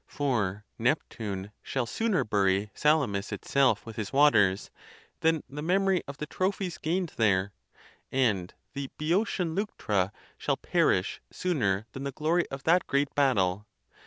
For Neptune shall sooner bury Salamis itself with his waters than the memory of the trophies gained there; and the Beotian Leuctra shall perish sooner than the glory of that great battle.